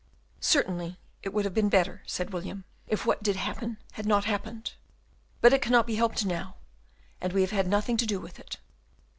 "Certainly, it would have been better," said William, "if what did happen had not happened. But it cannot be helped now, and we have had nothing to do with it.